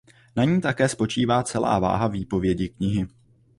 Na ní také spočívá celá váha výpovědi knihy.